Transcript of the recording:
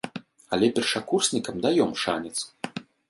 Але першакурснікам даём шанец.